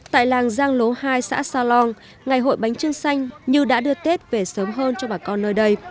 tại làng giang lố hai xã sa long ngày hội bánh trưng xanh như đã đưa tết về sớm hơn cho bà con nơi đây